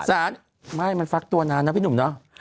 สารไม่มันฟักตัวนานนะพี่หนุ่มเนาะ